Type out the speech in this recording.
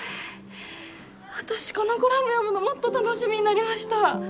私このコラム読むのもっと楽しみになりました